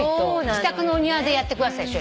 自宅のお庭でやってくださいでしょ？